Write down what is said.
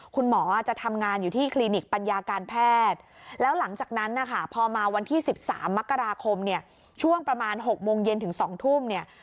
คุณหมอจะทำงานอยู่ที่คลินิกปัญญาการแพทย์แล้วหลังจากนั้นนะคะพอมาวันที่๑๓มกราคมเนี่ยช่วงประมาณ๖โมงเย็นถึง๒ทุ่มเนี่ย